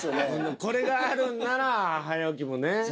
これがあるんなら早起きもね。